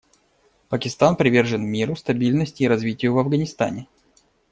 Пакистан привержен миру, стабильности и развитию в Афганистане.